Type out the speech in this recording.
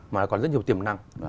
mà nó còn rất nhiều tiềm năng